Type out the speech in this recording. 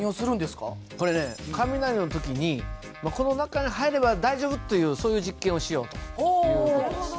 これね雷の時にこの中に入れば大丈夫というそういう実験をしようという事です。